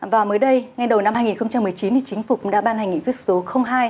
và mới đây ngay đầu năm hai nghìn một mươi chín thì chính phủ đã ban hành nghị quyết số hai